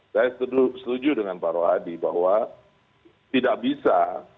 saya setuju dengan pak rohadi bahwa tidak bisa